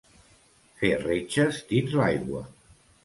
Fer retxes dins l'aigua.